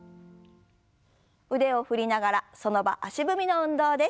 腕を振りながらその場足踏みの運動です。